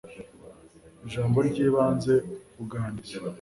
jambo ry'ibanze ubwanditsi